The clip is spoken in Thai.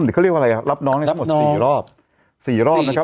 เขาเรียกว่าอะไรอ่ะรับน้องได้ทั้งหมดสี่รอบสี่รอบนะครับ